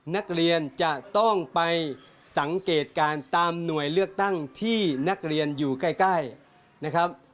นักเรียนจะต้องไปสังเกตการณ์ตามหน่วยเลือกตั้งที่นักเรียนอยู่ใกล้นะครับ